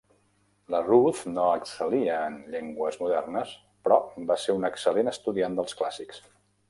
La Routh no excel·lia en llengües modernes però va ser una excel·lent estudiant dels clàssics.